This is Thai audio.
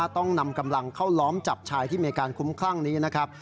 ต้องนำกำลังเข้าล้อมจับชายที่มีอาการคุ้มคลั่งนี้นะครับ